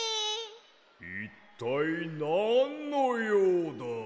いったいなんのようだ？